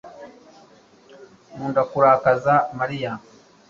Nkunda kurakaza Mariya